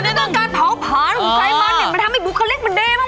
มันต้องการเผาผลาญของไขมันมันทำให้บุคลิกมันดีมาก